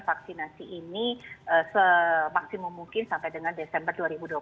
vaksinasi ini semaksimum mungkin sampai dengan desember dua ribu dua puluh